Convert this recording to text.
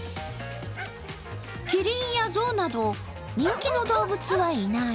キリンやゾウなど、人気の動物はいない。